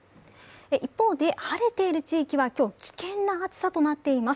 一方で、晴れている地域は今日、危険な暑さとなっています。